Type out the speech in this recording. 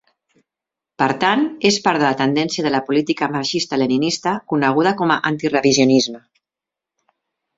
Per tant, és part de la tendència de la política marxista-leninista coneguda com a antirrevisionisme.